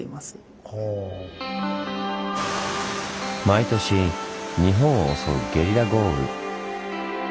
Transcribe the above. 毎年日本を襲うゲリラ豪雨。